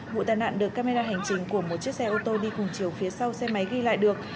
vụ tai nạn được camera hành trình của một chiếc xe ô tô đi cùng chiều phía sau xe máy ghi lại được